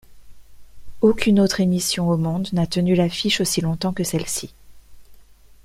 Aucune autre émission au monde n'a tenu l'affiche aussi longtemps que celle-ci.